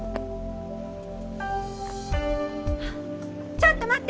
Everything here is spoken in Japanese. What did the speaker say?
ちょっと待って！